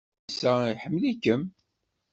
Ɛisa iḥemmel-iken.